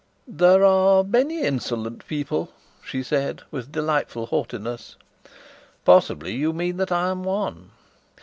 "There are many insolent people," she said, with delightful haughtiness. "Possibly you mean that I am one?"